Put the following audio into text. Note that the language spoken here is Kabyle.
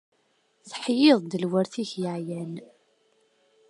Teḥyiḍ-d lweṛt-ik yeɛyan!